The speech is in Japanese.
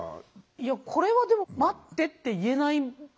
いやこれはでも「待って」って言えない自然現象ですよね。